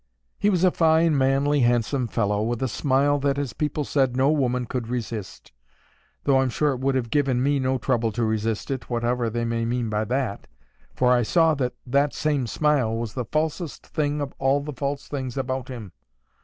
He was a fine, manly, handsome fellow, with a smile that, as people said, no woman could resist, though I'm sure it would have given me no trouble to resist it, whatever they may mean by that, for I saw that that same smile was the falsest thing of all the false things about him.